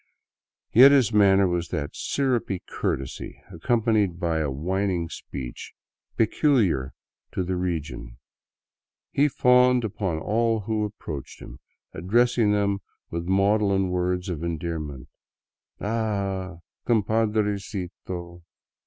Yet his manner was that syrupy courtesy, accompanied by a whining speech, peculiar to the region. He fawned upon all who approached him, addressing them with maudlin words of endearment, —" Ah, compadrecito